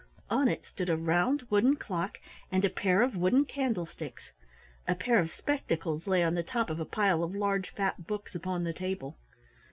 On it stood a round wooden clock and a pair of wooden candlesticks. A pair of spectacles lay on the top of a pile of large fat books upon the table.